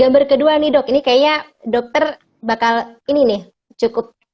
gambar kedua nih dok ini kayaknya dokter bakal ini nih cukup